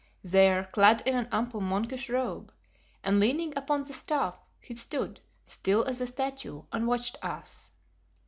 There, clad in an ample, monkish robe, and leaning upon the staff, he stood still as a statue and watched us.